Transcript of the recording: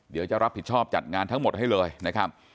เดี๋ยวจะรับผิดชอบจัดงานทั้งหมดให้เลยนะครับ